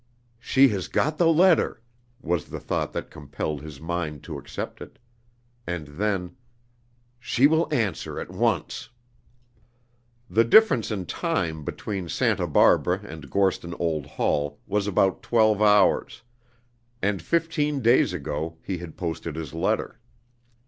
"She has got the letter!" was the thought that compelled his mind to accept it. And then "She will answer at once." The difference in time between Santa Barbara and Gorston Old Hall was about twelve hours; and fifteen days ago, he had posted his letter.